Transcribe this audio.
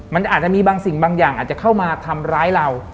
มันอาจจะมีบางสิ่งบางอย่างอาจจะเข้ามาทำร้ายเรา